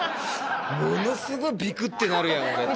ものすごいびくっ！ってなるやん、俺って。